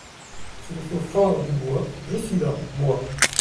S'il faut fendre du bois, je suis là, moi!